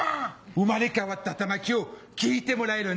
生まれ変わった玉響聴いてもらえるね！